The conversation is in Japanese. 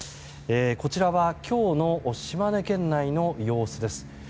こちらは今日の島根県内の様子です。